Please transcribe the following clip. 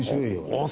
あっ